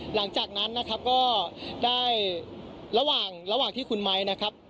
หลังจากนั้นนะครับก็ได้ระหว่างระหว่างที่คุณไม้นะครับ